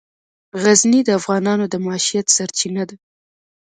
غزني د افغانانو د معیشت سرچینه ده.